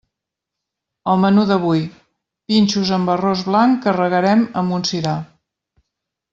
El menú d'avui: pinxos amb arròs blanc que regarem amb un sirà.